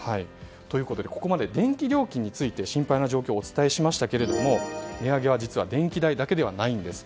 ここまで電気料金について心配な状況をお伝えしましたが値上げは実は電気代だけではないんです。